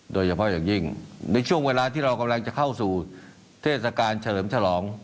โดยเฉพาะอย่างยิ่งในช่วงเวลาที่เรากำลังจะเข้าสู่เทศกาลเฉลิมฉลอง